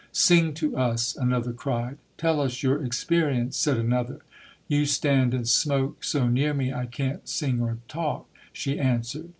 "Sing to us", another cried. "Tell us your experience", said another. "You stand and smoke so near me, I can't sing or talk", she answered.